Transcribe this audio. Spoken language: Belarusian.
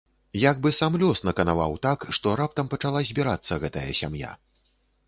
Як бы сам лёс наканаваў так, што раптам пачала збірацца гэтая сям'я.